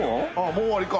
もう終わりか。